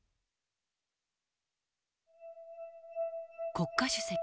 国家主席劉